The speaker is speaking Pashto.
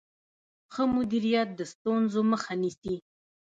ښه مدیریت د ستونزو مخه نیسي.